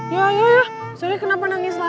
ya ya ya sally kenapa nangis lagi